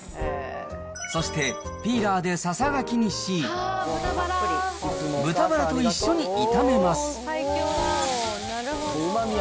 そしてピーラーでささがきにし、豚バラと一緒に炒めます。